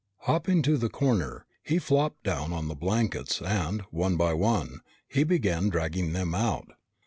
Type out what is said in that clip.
Hopping to the corner, he flopped down on the blankets and, one by one, he began dragging them out.